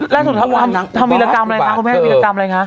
แล้วส่วนทั้งวันนั้นทำวิรากรรมอะไรคะคุณแม่ทำวิรากรรมอะไรคะ